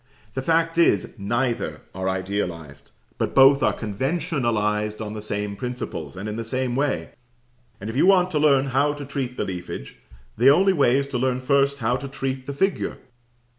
The fact is, neither are idealized, but both are conventionalized on the same principles, and in the same way; and if you want to learn how to treat the leafage, the only way is to learn first how to treat the figure.